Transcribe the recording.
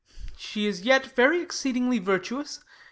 She is yet very exceedingly virtuous.